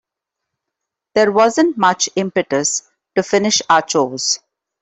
There wasn't much impetus to finish our chores.